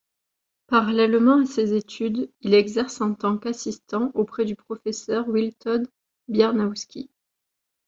Parallèlement à ses études, il exerce en tant qu’assistant auprès du Professeur Witold Biernawski.